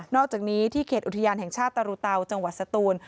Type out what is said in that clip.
อกจากนี้ที่เขตอุทยานแห่งชาติตรูเตาจังหวัดสตูน